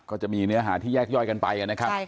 ก็จะมีเนื้อหาที่แยกย่อยกันไปนะครับ